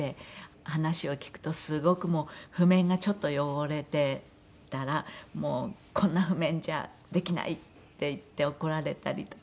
話を聞くとすごくもう譜面がちょっと汚れてたらもう「こんな譜面じゃできない」って言って怒られたりとか。